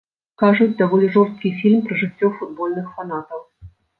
Кажуць, даволі жорсткі фільм пра жыццё футбольных фанатаў.